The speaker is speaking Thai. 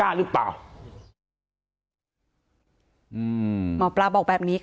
การแก้เคล็ดบางอย่างแค่นั้นเอง